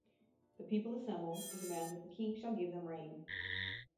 The people assemble and demand that the king shall give them rain.